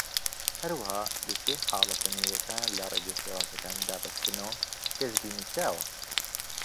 هەروەها، لووتکەی حاڵەتە نوێیەکان لە ڕێگەی شێوازەکانی دابەشکردنەوە پێشبینیکراوە.